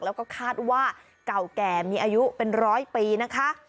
แล้วก็คาดว่าเก่าแก่มีอายุเป็นร้อยปีนะคะ